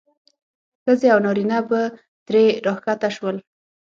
ښځې او نارینه به ترې راښکته شول.